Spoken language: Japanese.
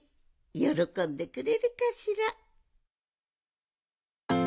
よろこんでくれるかしら。